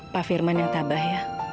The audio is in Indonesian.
pak firman yang tabah ya